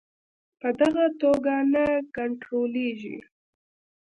په دغه توګه نه کنټرولیږي.